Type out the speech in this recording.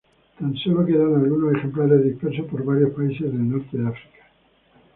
Tan sólo quedan algunos ejemplares dispersos por varios países del norte de África.